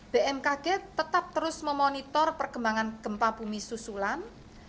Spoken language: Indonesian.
bmkg tetap terus memonitor perkembangan gempa bumi susulan